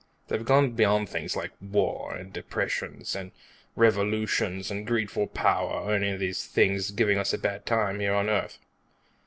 They've gone beyond things like wars and depressions and revolutions, and greed for power or any of these things giving us a bad time here on Earth.